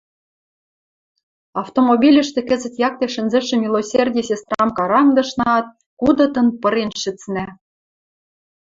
автомобильӹштӹ кӹзӹт якте шӹнзӹшӹ милосерди сестрам карангдышнаат, кудытын пырен шӹцнӓ